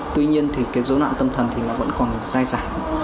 tuy nhiên thì cái dối loạn tâm thần thì nó vẫn còn dai giản